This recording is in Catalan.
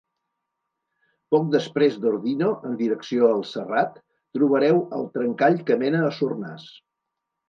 Poc després d’Ordino en direcció el Serrat, trobareu el trencall que mena a Sornàs.